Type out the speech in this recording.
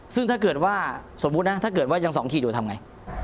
ซึ่งถ้าเกิดว่าสมมุตินะถ้าเกิดว่ายัง๒ขีดอยู่ทำไง